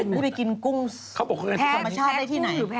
ไม่ได้กินกุ้งฟาร์มแพ้ภูมิชาติได้ที่ไหน